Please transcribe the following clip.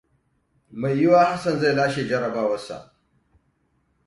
Mai yiwuwa Hassan zai lashe jarabawar sa.